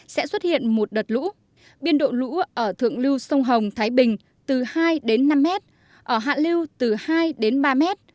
sẽ xuất hiện một đợt lũ biên độ lũ ở thượng lưu sông hồng thái bình từ hai năm m ở hạ lưu từ hai ba m